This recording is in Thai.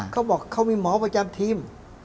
เขาบอกเขามีหมอประจำทีม